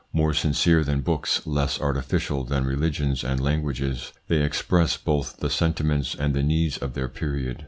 More sincere than books, less artificial than religions and languages, they express both the sentiments and the needs of their period.